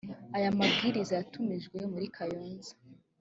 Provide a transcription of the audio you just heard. aya mabwiriza yatumijwe muri kayonza